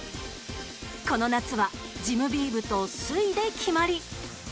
この夏はジムビームと翠で決まり。